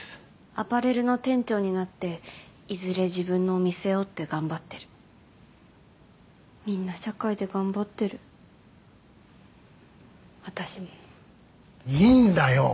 アパレルの店長になっていずれ自分のお店をって頑張ってるみんな社会で頑張ってる私もいいんだよ